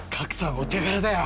お手柄だよ。